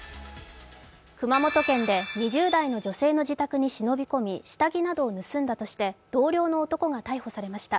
熊本県で２０代の女性の自宅に忍び込み下着などを盗んだとして同僚の男が逮捕されました。